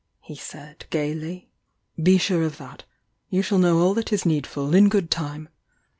he said, gaily. "Be sure of that! You shall know all that is need ful, in good tune!